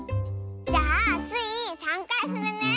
じゃあスイ３かいふるね。